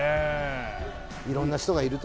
いろんな人がいると。